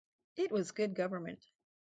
It was good government.